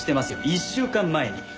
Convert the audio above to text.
１週間前に！